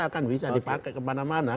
akan bisa dipakai kemana mana